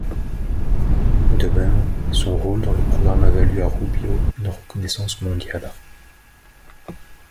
De même, son rôle dans le programme a valu à Rubio une reconnaissance mondiale.